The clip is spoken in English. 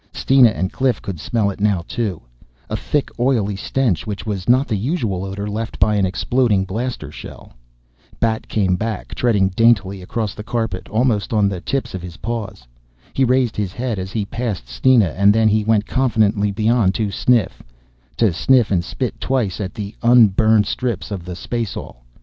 Steena and Cliff could smell it too now, a thick oily stench which was not the usual odor left by an exploding blaster shell. Bat came back, treading daintily across the carpet, almost on the tips of his paws. He raised his head as he passed Steena and then he went confidently beyond to sniff, to sniff and spit twice at the unburned strips of the spaceall.